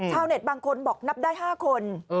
ชาวเน็ตบางคนบอกนับได้๕คน